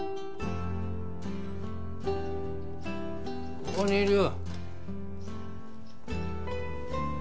ここにいるよ。